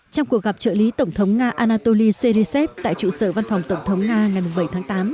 trong cuộc gặp trợ lý tổng thống nga anatoly serisev tại trụ sở văn phòng tổng thống nga ngày bảy tháng tám